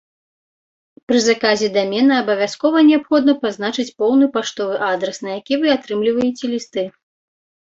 Пры заказе дамена абавязкова неабходна пазначыць поўны паштовы адрас, на які вы атрымліваеце лісты.